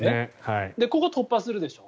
ここを突破するでしょう。